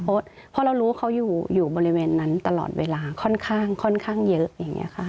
เพราะเรารู้ว่าเขาอยู่บริเวณนั้นตลอดเวลาค่อนข้างค่อนข้างเยอะอย่างนี้ค่ะ